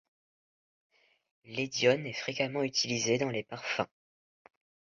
L’Hédione est fréquemment utilisée dans les parfums.